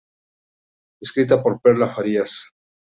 Escrita por Perla Farías.